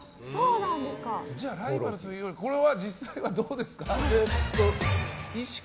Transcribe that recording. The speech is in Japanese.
じゃあライバルというよりこれは実際はどうですか？